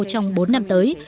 trong bốn năm tới